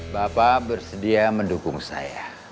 bapak bersedia mendukung saya